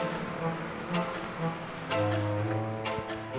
kok om obek boleh jualan dulu ya